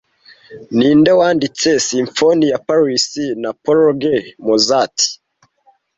Ninde wanditse simfoni ya Paris na Prague Mozart